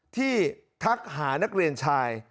ทักหานักเรียนชาย